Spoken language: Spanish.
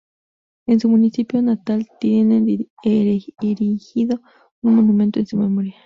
En su municipio natal tienen erigido un monumento en su memoria.